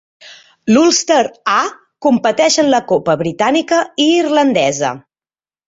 L'Ulster "A" competeix en la Copa britànica i irlandesa.